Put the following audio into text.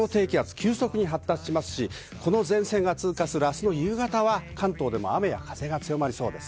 急速に発達し、前線が通過する明日の夕方は、関東でも雨や風が強まりそうです。